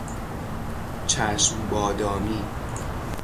چشم بادامی